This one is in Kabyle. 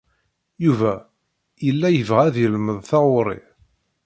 Yuba yella yebɣa ad yelmed taɣuri.